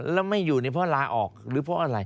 แล้วไม่อยู่นี่เพราะลาออกหรือเพราะอะไร